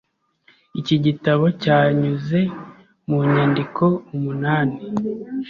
Iki gitabo cyanyuze mu nyandiko umunani.